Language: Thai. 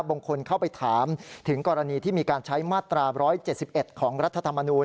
บางคนเข้าไปถามถึงกรณีที่มีการใช้มาตรา๑๗๑ของรัฐธรรมนูล